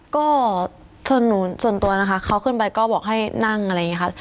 ก็ส่วนหนูส่วนตัวนะคะเขาขึ้นไปก็บอกให้นั่งอะไรอย่างนี้ค่ะ